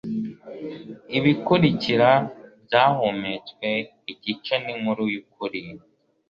ibikurikira byahumetswe igice ninkuru yukuri